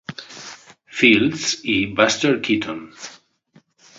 Fields y Buster Keaton.